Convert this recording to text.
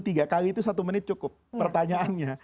tiga kali itu satu menit cukup pertanyaannya